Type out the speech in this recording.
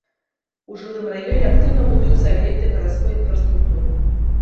У жылым раёне актыўна будуюцца аб'екты гарадской інфраструктуры.